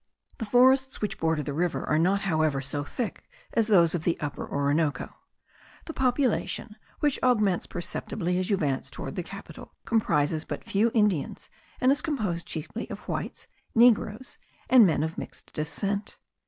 The forests which border the river are not however so thick as those of the Upper Orinoco. The population, which augments perceptibly as you advance toward the capital, comprises but few Indians, and is composed chiefly of whites, negroes, and men of mixed descent.